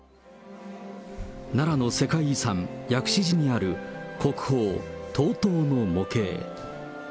奈良の世界遺産、薬師寺にある国宝、東塔の模型。